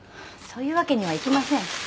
そういうわけにはいきません。